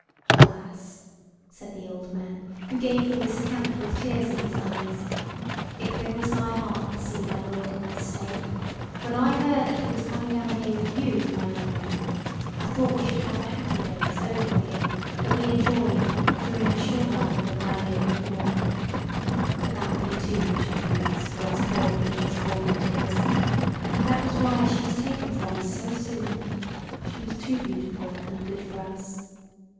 "Alas!" said the old man[,] who gave me this account with tears in his eyes, "it wrings my heart to see my lord in this state: when I heard that he was coming down here with you, my young lady, I thought we should have the happy days over again that we enjoyed during the short life of my lady your mother But that would be too much happiness for us poor creatures born to tears and that was why she was taken from us so soon; [s]he was too beautiful and good for us[.